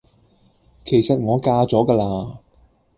其實我嫁咗㗎啦